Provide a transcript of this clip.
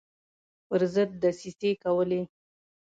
پر ضد دسیسې کولې.